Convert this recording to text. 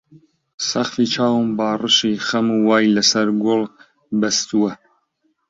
سەقفی چاوم باڕشی خەم وای لە سەر گۆل بەستووە